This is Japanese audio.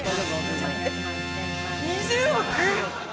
２０億！？